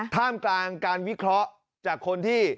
ท่ามกลางการวิเคราะห์จากคนที่